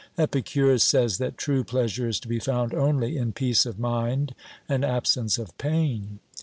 Epicurus says that true pleasure is to be found only in peace of mind and absence of pain."